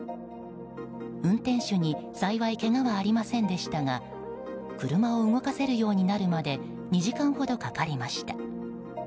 運転手に幸いけがはありませんでしたが車を動かせるようになるまで２時間ほどかかりました。